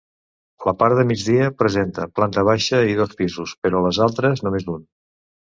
La part de migdia presenta planta baixa i dos pisos, però les altres només un.